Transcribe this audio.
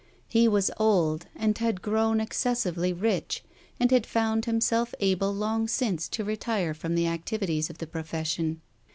He was old, and had grown excessively rich, and had found himself able long since to retire from the activities of the pro fession.